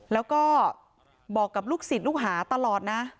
แล้วก็บอกกับลูกศิษย์ลูกหาตลอดนะ